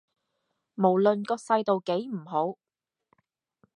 無論個世道幾唔好